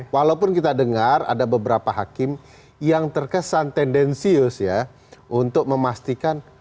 walaupun kita dengar ada beberapa hakim yang terkesan tendensius ya untuk memastikan